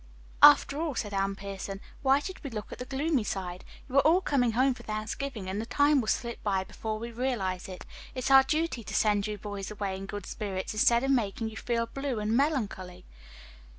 "After all," said Anne Pierson, "why should we look at the gloomy side. You are all coming home for Thanksgiving and the time will slip by before we realize it. It's our duty to send you boys away in good spirits, instead of making you feel blue and melancholy."